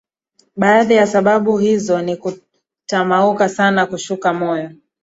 Baadhi ya sababu hizo ni kutamauka sana kushuka moyo